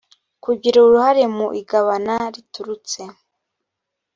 kugira uruhare mu igabana riturutse